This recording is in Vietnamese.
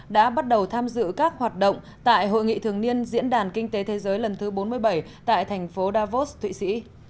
đã bắt đầu tham dự các hoạt động tại hội nghị thường niên diễn đàn kinh tế thế giới lần thứ bốn mươi bảy tại thành phố davos thụy sĩ